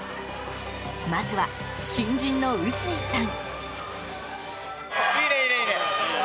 まずは、新人の薄井さん。